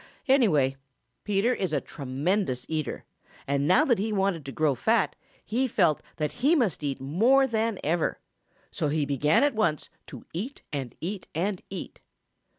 Anyway, Peter is a tremendous eater, and now that he wanted to grow fat, he felt that he must eat more than ever. So he began at once to eat and eat and eat.